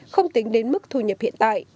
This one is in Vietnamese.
không tính đến mức thu nhập hiện tại